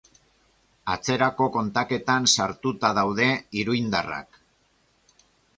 Atzerako kontaketan sartuta daude iruindarrak.